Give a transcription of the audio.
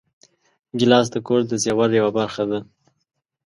ګیلاس د کور د زېور یوه برخه ده.